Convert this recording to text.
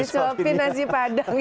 disuapin nasi padang ya